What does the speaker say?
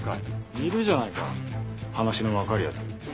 いるじゃないか話の分かるやつ。